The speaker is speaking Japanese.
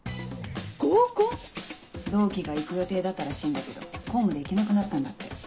合コン⁉同期が行く予定だったらしいんだけど公務で行けなくなったんだって。